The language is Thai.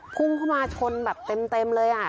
คุ้มเข้ามาชนแบบเต็มเต็มเลย